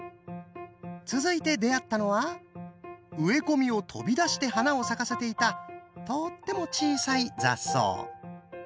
続いて出会ったのは植え込みを飛び出して花を咲かせていたとっても小さい雑草！